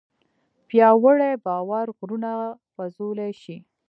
پیاوړی باور غرونه خوځولی شي.